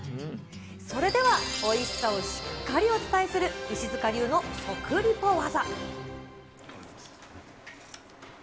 それではおいしさをしっかりお伝えする石塚流の食リポ技。